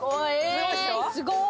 すごーい！